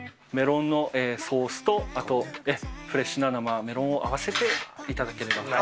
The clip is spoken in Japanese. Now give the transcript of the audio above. メロンのソースと、あとフレッシュな生メロンを合わせていただければ。